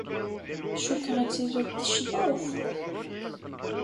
Cukkeɣ ad tiliḍ teccḍeḍ.